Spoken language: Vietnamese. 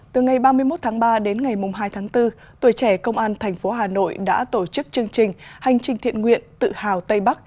từ ngày ba mươi một tháng ba đến ngày hai tháng bốn tuổi trẻ công an tp hà nội đã tổ chức chương trình hành trình thiện nguyện tự hào tây bắc